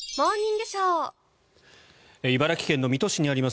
茨城県の水戸市にあります